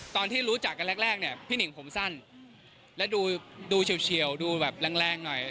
ตอนที่รู้จักกันแรกเนี่ยพี่หนิ่งผมสั้นและดูเฉียวดูแบบแรงหน่อย